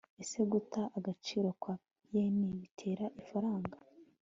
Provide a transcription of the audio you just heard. ese guta agaciro kwa yen bitera ifaranga